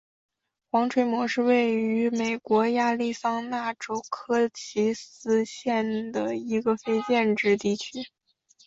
黄锤磨是位于美国亚利桑那州科奇斯县的一个非建制地区。